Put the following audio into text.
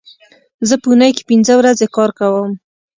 زه په اونۍ کې پینځه ورځې کار کوم